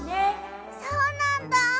そうなんだ。